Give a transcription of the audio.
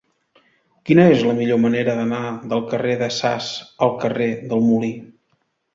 Quina és la millor manera d'anar del carrer de Sas al carrer del Molí?